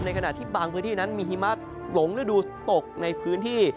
ขณะที่บางพื้นที่นั้นมีหิมะหลงฤดูตกในพื้นที่